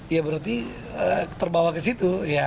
ya berarti terbawa ke situ ya